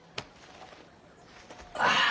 ああ。